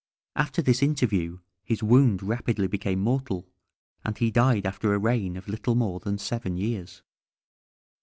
After this interview his wound rapidly became mortal, and he died after a reign of little more than seven years.